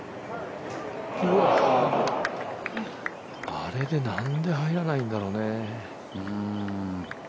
あれでなんで入らないんだろうね。